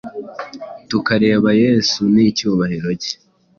tukareba Yesu n’icyubahiro Cye,